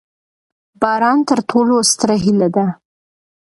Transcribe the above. باران تر ټولو ستره هیله ده.